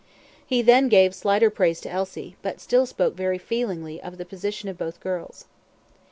He then gave slighter praise to Elsie; but still spoke very feelingly of the position of both girls.